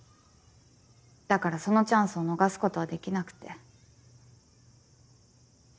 だからそのチャンスを逃すことはできなくて。